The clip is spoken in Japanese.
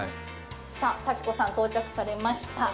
佐喜子さん、到着されました。